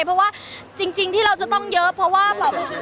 เพราะว่าจริงที่เราจะต้องเยอะเพราะว่าแบบ